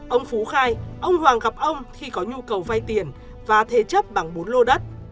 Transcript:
ông phú khai ông hoàng gặp ông khi có nhu cầu vay tiền và thế chấp bằng bốn lô đất